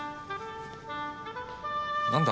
何だ？